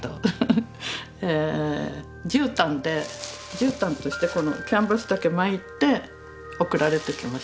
じゅうたんとしてこのキャンバスだけ巻いて送られてきました。